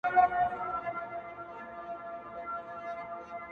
د اوبو وږي نهنگ یوه گوله کړ.!